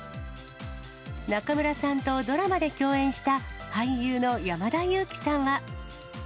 中村さんとドラマで共演した、俳優の山田裕貴さんは。